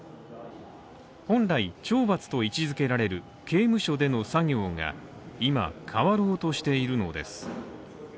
本来、懲罰と位置付けられる刑務所での作業が今変わろうとしているのです。